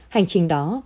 hành trình đó